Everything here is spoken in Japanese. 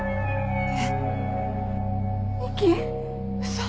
えっ！？